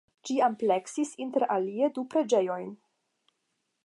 Ĝi ampleksis inter alie du preĝejojn.